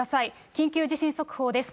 緊急地震速報です。